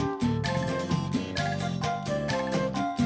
ariamente tidak ada jelek